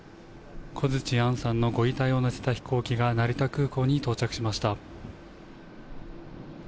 小槌杏さんのご遺体を乗せた飛行機が、成田空港に到着しました。